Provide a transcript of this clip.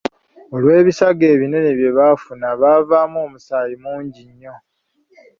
Olw'ebisago ebinene bye baafuna, baavaamu omusaayi mungi nnyo.